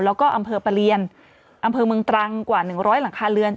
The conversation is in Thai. แล้วก็อำเภอประเรียนอำเภอเมืองตรังกว่า๑๐๐หลังคาเรือน